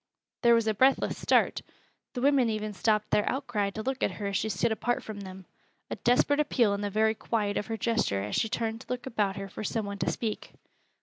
There was a breathless start. The women even stopped their outcry to look at her as she stood apart from them, a desperate appeal in the very quiet of her gesture as she turned to look about her for some one to speak.